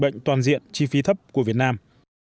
bệnh toàn diện chi phí thấp của việt nam